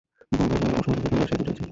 গদাধর ও স্বরূপ এখানে আসিয়াও জুটিয়াছে।